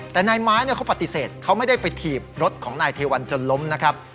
แต่นายไม้เขาปฏิเสธเขาไม่ได้ไปถีบรถของนายเทวันจนล้มนะครับ